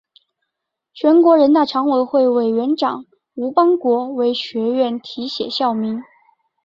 全国人大常委会委员长吴邦国为学院题写校名。